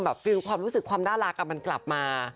แบบตลอดรู้สึกความน่ารักกันมันกลับมา